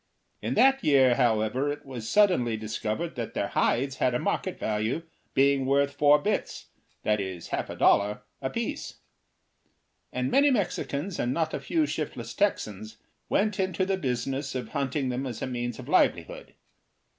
In that year, however, it was suddenly discovered that their hides had a market value, being worth four bits—that is, half a dollar—apiece; and many Mexicans and not a few shiftless Texans went into the business of hunting them as a means of livelihood.